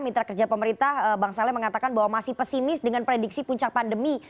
mitra kerja pemerintah bang saleh mengatakan bahwa masih pesimis dengan prediksi puncak pandemi